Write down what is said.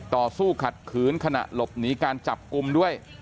ต่อสู้ขัดขืนขณะหลบหนีการจับกลุ่มด้วย